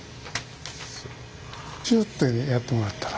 ツっとやってもらったら。